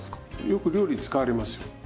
よく料理に使われますよ。